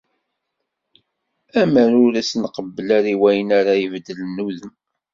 Amer ur as-nqebbel ara i wayen ara aɣ-ibeddlen udem.